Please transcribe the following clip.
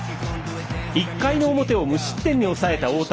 １回の表を無失点に抑えた大谷。